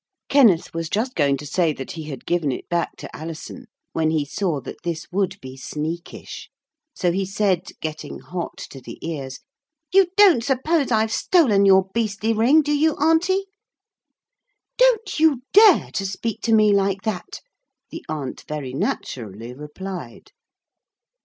Kenneth was just going to say that he had given it back to Alison, when he saw that this would be sneakish. So he said, getting hot to the ears, 'You don't suppose I've stolen your beastly ring, do you, Auntie?' 'Don't you dare to speak to me like that,' the aunt very naturally replied.